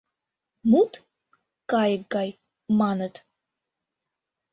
Мут — кайык гай, маныт.